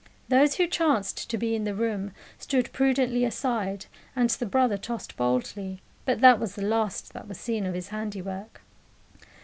Those who chanced to be in the room stood prudently aside, and the brother tossed boldly. But that was the last that was seen of his handiwork.